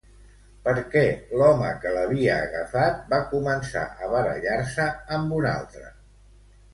Per què l'home que l'havia agafat va començar a barallar-se amb un altre?